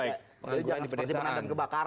jadi jangan seperti pengantin kebakaran gitu